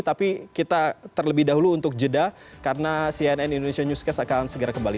tapi kita terlebih dahulu untuk jeda karena cnn indonesia newscast akan segera kembali